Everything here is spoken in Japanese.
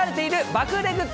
爆売れグッズ